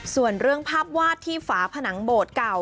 ส่วนเรื่องภาพวาดที่ฝาผนังโบสถ์เก่า